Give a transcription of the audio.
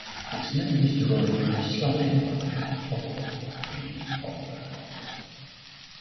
Its name is derived from a Slavic word, "topol", meaning "poplar".